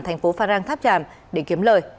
thành phố phan rang tháp tràm để kiếm lời